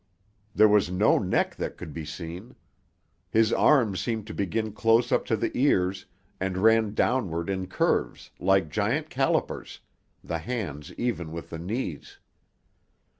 There was no neck that could be seen. His arms seemed to begin close up to the ears, and ran downward in curves, like giant calipers, the hands even with the knees.